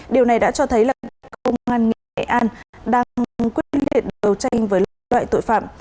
điều này đã cho thấy là công an nghệ an đang quyết định đấu tranh với loại tội phạm